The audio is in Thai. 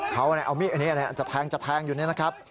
เขาเอามีดอันนี้อันนั้นจัดแทงอยู่นี่นะครับ